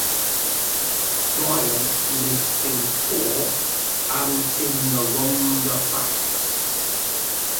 Bryant lives in Porth in the Rhondda Fach.